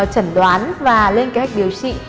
trật đoán và lên kế hoạch điều trị